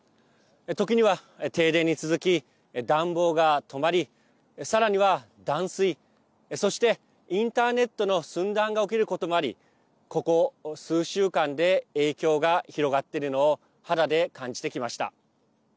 時には停電に続き、暖房が止まりさらには断水、そしてインターネットの寸断が起きることもありここ数週間で影響が広がっているのを肌で感じてきました。